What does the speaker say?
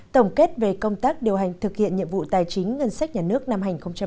tổng kết về công tác điều hành thực hiện nhiệm vụ tài chính ngân sách nhà nước năm hai nghìn một mươi chín